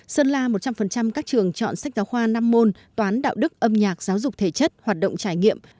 sơn la một trăm linh các trường chọn sách giáo khoa năm môn toán đạo đức âm nhạc giáo dục thể chất hoạt động trải nghiệm